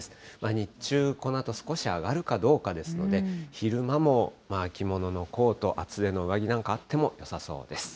日中、このあと、少し上がるかどうかですので、昼間も秋物のコート、厚手の上着なんかあってもよさそうです。